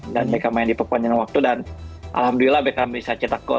dan bekam main di pepanjang waktu dan alhamdulillah bekam bisa cetak gol